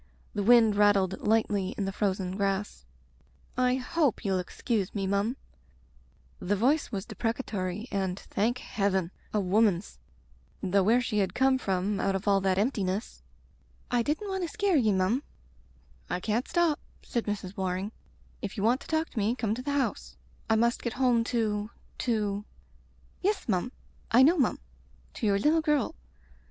The wind rattled lightly in the frozen grass. ... "I hope ye'U excuse nie, mum —" The voice was deprecatory and, thank Heaven! a woman's; though where she had come from out of all that emptiness Digitized by LjOOQ IC Interventions "I didn't want to scare ye, mum/' "I can't stop/* said Mrs. Waring. "If you want to talk to me come to the house. I must get home to — ^to "Yes, mum; I know, mum, to your little girl.